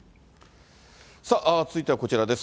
続いてはこちらです。